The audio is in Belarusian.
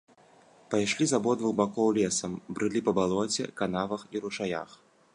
Пайшлі з абодвух бакоў лесам, брылі па балоце, канавах і ручаях.